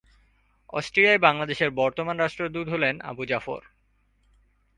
অস্ট্রিয়ায় বাংলাদেশের বর্তমান রাষ্ট্রদূত হলেন আবু জাফর।